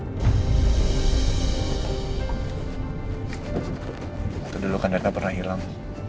itu dulu kan data pernah hilang